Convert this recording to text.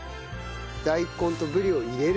大根とぶりを入れる。